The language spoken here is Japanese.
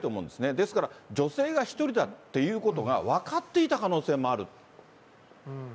ですから、女性が１人だっていうことが分かっていた可能性もある。